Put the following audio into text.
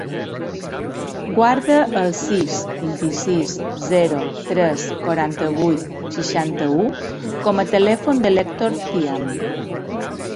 Guarda el sis, vint-i-sis, zero, tres, quaranta-vuit, seixanta-u com a telèfon de l'Hèctor Thiam.